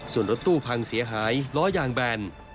ส่วนรถตู้พังเสียหายล้อยางแบน